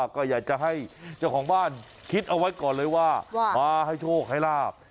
ก็อยากจะให้เจ้าของบ้านคิดเอาไว้ก่อนเลยว่ามาให้โชคให้ลาบ